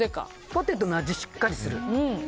ポテトの味しっかりする。